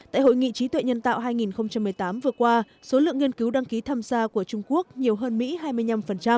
tại hội nghị trí tuệ nhân tạo hai nghìn một mươi tám vừa qua số lượng nghiên cứu đăng ký tham gia của trung quốc nhiều hơn mỹ hai mươi năm